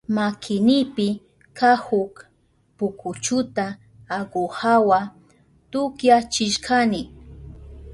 Makinipi kahuk pukuchuta aguhawa tukyachishkani.